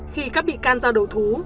khi các bị can ra đầu thú